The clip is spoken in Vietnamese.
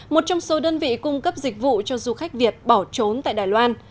một trong số đơn vị cung cấp dịch vụ cho du khách việt bỏ trốn tại đài loan